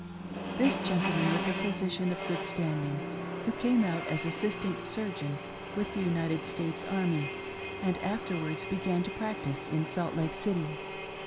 This gentleman was a physician of good standings who came out as assistant surgeon with the United States army, and afterwards began to practice in Salt Lake City.